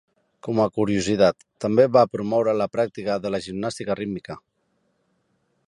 Com a curiositat, també va promoure la pràctica de la gimnàstica rítmica.